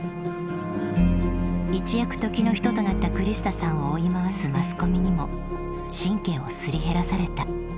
一躍時の人となったクリスタさんを追い回すマスコミにも神経をすり減らされた。